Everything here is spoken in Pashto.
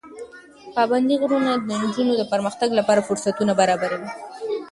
پابندي غرونه د نجونو د پرمختګ لپاره فرصتونه برابروي.